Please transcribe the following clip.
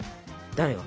誰が？